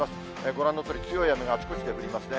ご覧のとおり、強い雨が、あちこちで降りますね。